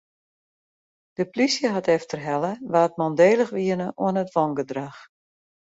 De polysje hat efterhelle wa't mandélich wiene oan it wangedrach.